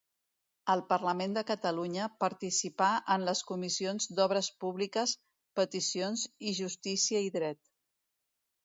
Al Parlament de Catalunya participà en les comissions d'obres públiques, peticions i justícia i dret.